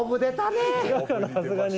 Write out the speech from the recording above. さすがに。